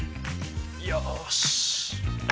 よし。